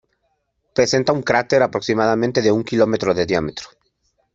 Presenta un cráter de aproximadamente un kilómetro de diámetro.